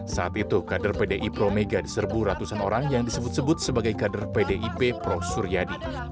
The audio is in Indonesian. saat itu kader pdi pro mega diserbu ratusan orang yang disebut sebut sebagai kader pdip pro suryadi